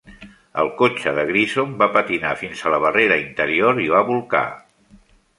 El cotxe de Grissom va patinar fins a la barrera interior i va bolcar.